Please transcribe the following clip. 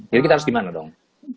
jadi kita harus gimana dong